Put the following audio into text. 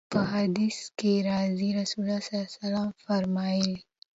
په حديث کي راځي: رسول الله صلی الله عليه وسلم فرمايلي: